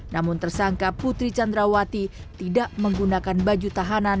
namun tersangka putri candrawati tidak menggunakan baju tahanan